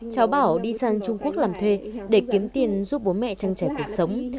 cháu bảo đi sang trung quốc làm thuê để kiếm tiền giúp bố mẹ trang trải cuộc sống